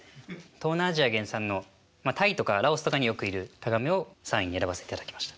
東南アジア原産のタイとかラオスとかによくいるタガメを３位に選ばせていただきました。